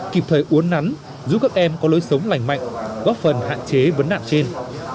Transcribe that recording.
kịp thời uốn nắn giúp các em có lối sống lành mạnh góp phần hạn chế vấn nạn trên